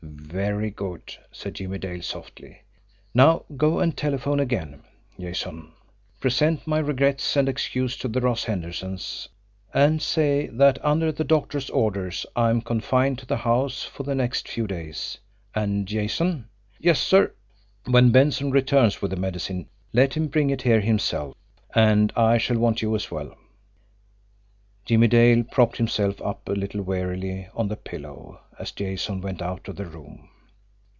"Very good," said Jimmie Dale softly. "Now go and telephone again, Jason. Present my regrets and excuses to the Ross Hendersons, and say that under the doctor's orders I am confined to the house for the next few days and, Jason!" "Yes, sir?" "When Benson returns with the medicine let him bring it here himself and I shall want you as well." Jimmie Dale propped himself up a little wearily on the pillows, as Jason went out of the room.